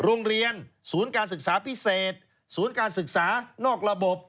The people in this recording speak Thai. โรงเรียนศูนย์การศึกษาพิเศษศูนย์การศึกษานอกระบบ